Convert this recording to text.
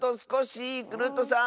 クルットさん